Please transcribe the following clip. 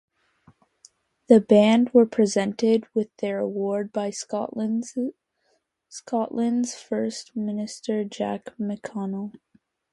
The band were presented with their award by Scotland's First Minister, Jack McConnell.